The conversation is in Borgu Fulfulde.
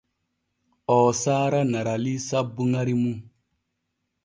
Oo saara Narali sabbu ŋari mum.